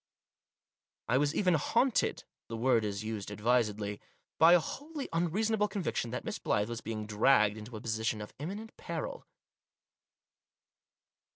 I was even haunted — the word is used advisedly — by a wholly unreason able conviction that Miss Blyth was being dragged into a position of imminent peril.